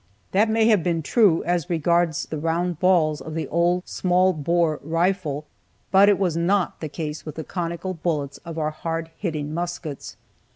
That may have been true as regards the round balls of the old small bore rifle, but it was not the case with the conical bullets of our hard hitting muskets.